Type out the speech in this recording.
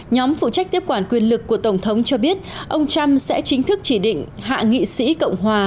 nhóm phụ trách tiếp quản quyền lực của tổng thống cho biết ông trump sẽ chính thức chỉ định hạ nghị sĩ cộng hòa